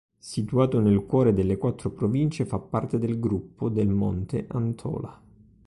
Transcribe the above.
Situato nel cuore delle quattro province fa parte del Gruppo del Monte Antola.